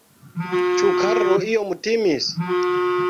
Ĉu Karlo iom timis?